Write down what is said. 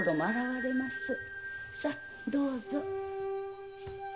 さどうぞ。